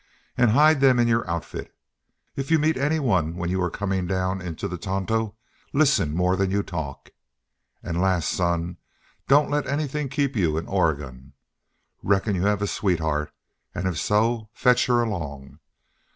And hide them in your outfit. If you meet anyone when your coming down into the Tonto, listen more than you talk. And last, son, dont let anything keep you in Oregon. Reckon you have a sweetheart, and if so fetch her along.